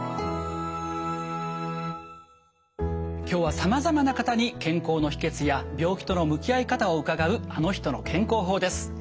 今日はさまざまな方に健康の秘けつや病気との向き合い方を伺う「あの人の健康法」です。